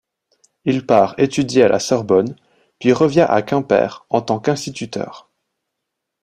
Il part étudier à la Sorbonne, puis revient à Quimper en tant qu’instituteur.